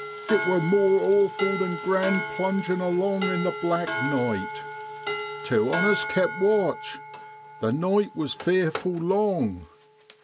It wor more awful than grand plungin' along in the black night. Two on us kept watch : the night was fearful long.